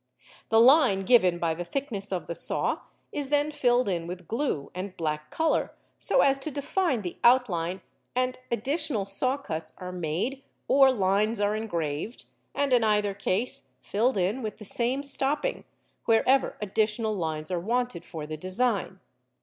The line given by the thickness of the saw is then filled in with glue and black colour so as to define the outline, and additional saw cuts are made or lines are engraved, and in either case filled in with the same stopping, wherever additional lines are wanted for the design.